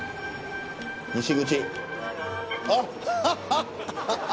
西口。